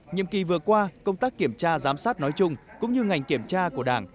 nhiệm kỳ vừa qua công tác kiểm tra giám sát nói chung cũng như ngành kiểm tra của đảng